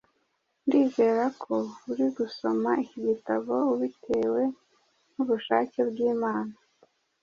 Ndizera ko uri gusoma iki gitabo ubitewe n’ubushake bw’Imana.